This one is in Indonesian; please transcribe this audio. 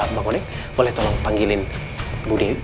bang wadi boleh tolong panggilin bu dewi